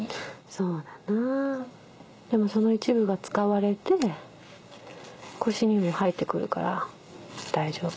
そうだなでもその一部が使われて腰にも入って来るから大丈夫。